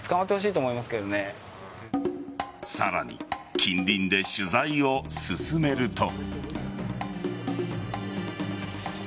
さらに、近隣で取材を進めると。